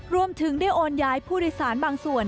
รวมถึงได้โอนย้ายผู้โดยสารบางส่วน